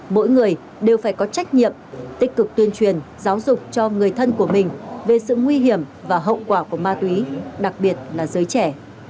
mỗi người đều phải có trách nhiệm tích cực tuyên truyền giáo dục cho người thân của mình về sự nguy hiểm và hậu quả của ma túy đặc biệt là giới trẻ